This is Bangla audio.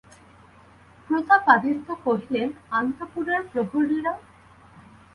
প্রতাপাদিত্য কহিলেন, অন্তঃপুরের প্রহরীরা?